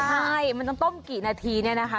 ใช่มันต้องต้มกี่นาทีเนี่ยนะคะ